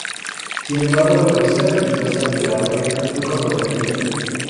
Sin embargo, la política religiosa de la pareja fue controvertida.